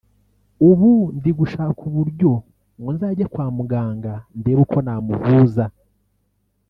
ubu ndi gushaka uburyo ngo nzajye kwa muganga ndebe uko namuvuza